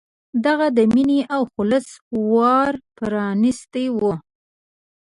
د هغه د مینې او خلوص ور پرانستی و.